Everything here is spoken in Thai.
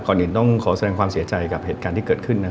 อื่นต้องขอแสดงความเสียใจกับเหตุการณ์ที่เกิดขึ้น